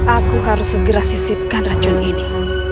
aku harus segera sisipkan racun ini